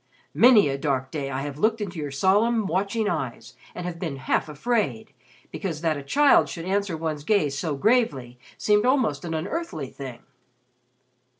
Many a dark day I have looked into your solemn, watching eyes, and have been half afraid; because that a child should answer one's gaze so gravely seemed almost an unearthly thing."